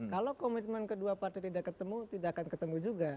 kalau komitmen kedua partai tidak ketemu tidak akan ketemu juga